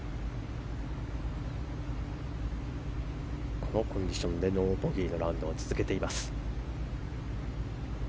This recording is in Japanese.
このコンディションでノーボギーのラウンドを続けています。